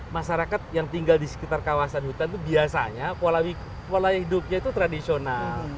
masyarakat yang tinggal di sekitar kawasan hutan itu biasanya pola hidupnya itu tradisional